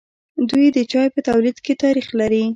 دوی د چای په تولید کې تاریخ لري.